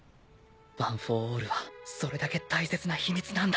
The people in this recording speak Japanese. ワン・フォー・オールはそれだけ大切な秘密なんだ